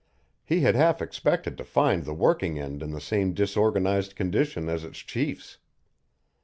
He had half expected to find the working end in the same disorganized condition as its chiefs.